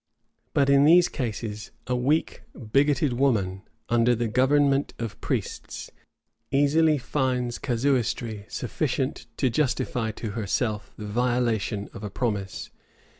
But in these cases a weak, bigoted woman, under the government of priests, easily finds casuistry sufficient to justify to herself the violation of a promise.